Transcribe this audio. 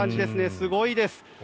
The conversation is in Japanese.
すごいです。